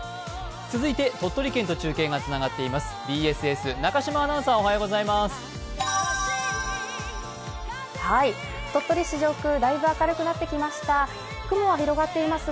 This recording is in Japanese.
続いて、鳥取県と中継がつながっています。